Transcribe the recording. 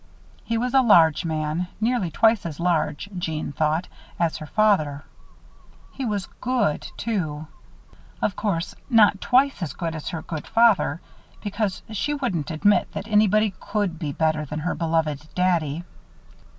He was a large man; nearly twice as large, Jeanne thought, as her father. He was good, too. Of course, not twice as good as her good father, because she wouldn't admit that anybody could be better than her beloved "Daddy."